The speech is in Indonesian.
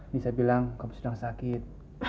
nisa bilang kamu sudah sakit